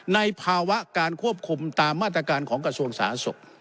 ในภาวะการควบคุมตามมาตรการของกสังสารสกษ์